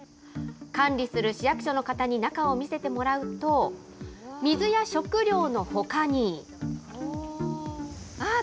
管理する市役所の方に中を見せてもらうと、水や食料のほかに。